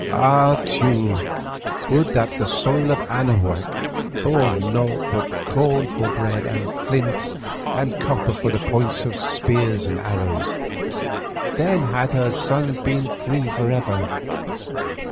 Ah! Teule, would that the soil of Anahuac bore naught but corn for bread and flint and copper for the points of spears and arrows, then had her sons been free for ever.